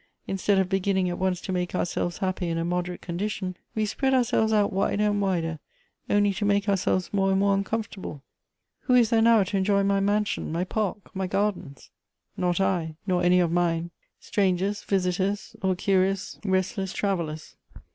Instead of beginning at once to make ourselves happy in a moderate condition, we si)reai.l ourselves out wider and wider, only to make ourselves more and more uncomfortable. Who is there now to enjoy my mansion, my park, my gardens ? Not I, nor any of mine, — strangers, visitors, or curious, restless travellers.